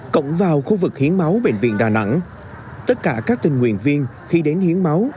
cổng vào khu vực hiến máu bệnh viện đà nẵng tất cả các tình nguyện viên khi đến hiến máu